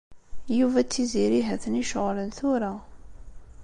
Yuba d Tiziri ha-ten-i ceɣlen tura.